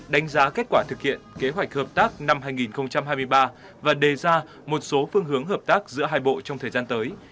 đánh giá kết quả thực hiện kế hoạch hợp tác năm hai nghìn hai mươi ba và đề ra một số phương hướng hợp tác giữa hai bộ trong thời gian tới